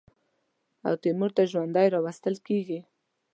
او تیمور ته ژوندی راوستل کېږي.